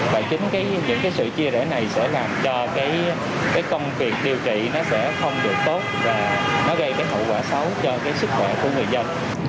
và chính những sự chia rẽ này sẽ làm cho công việc điều trị không được tốt và gây hậu quả xấu cho sức khỏe của người dân